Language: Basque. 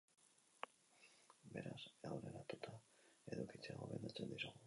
Beraz, eguneratuta edukitzea gomendatzen dizugu.